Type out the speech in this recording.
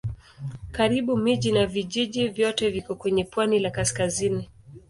Karibu miji na vijiji vyote viko kwenye pwani la kaskazini.